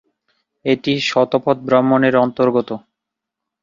এটি "শতপথ ব্রাহ্মণ"-এর অন্তর্গত।